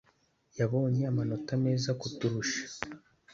Yabonye amanota meza kuturusha. (FeuDRenais)